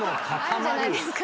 ⁉あるじゃないですか。